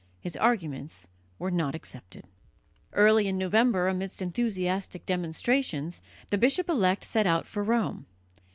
His arguments were not accepted. Early in November, amidst enthusiastic demonstrations, the bishop elect set out for Rome.